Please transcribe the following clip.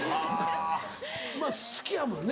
まぁ好きやもんね。